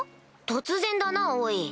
突然だなおい。